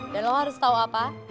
dan lo harus tau apa